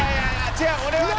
違う俺はね。